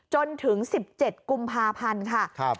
จนถึง๑๗กุมภาพันธ์ค่ะ